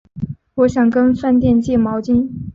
我想跟饭店借毛巾